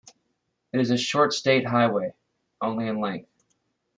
It is a short state highway, only in length.